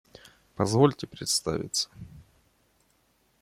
Позвольте представиться!